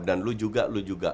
dan lu juga lu juga